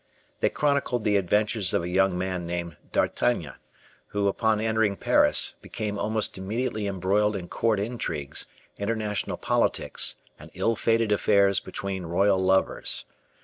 They chronicled the adventures of a young man named D'Artagnan who, upon entering Paris, became almost immediately embroiled in court intrigues, international politics, and ill fated affairs between royal lovers.